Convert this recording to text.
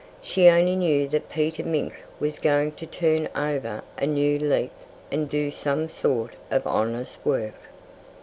She only knew that Peter Mink was going to turn over a new leaf and do some sort of honest work.